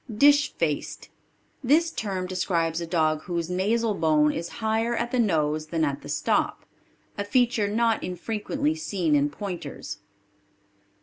Dish faced. This term describes a dog whose nasal bone is higher at the nose than at the stop a feature not infrequently seen in pointers.